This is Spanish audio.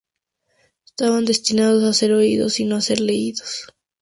Estaban destinados a ser oídos y no a ser leídos.